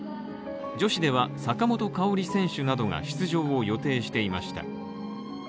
女子では坂本花織選手などが出場を予定していました。